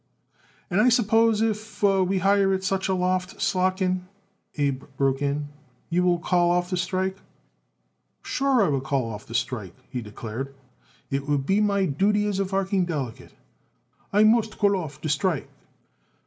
"And I suppose if we hire it such a loft, Slotkin," Abe broke in, "you will call off the strike." "Sure I will call it off the strike," he declared. "It would be my duty as varking delegate. I moost call it off the strike."